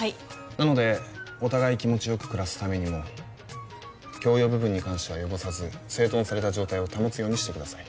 なのでお互い気持ちよく暮らすためにも共用部分に関しては汚さず整頓された状態を保つようにしてください